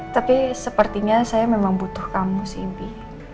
tapi sepertinya saya memang butuh kamu sih